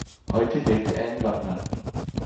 Heute lebt er in London.